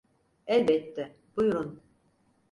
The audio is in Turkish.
Elbette, buyurun.